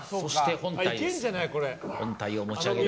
本体を持ち上げる。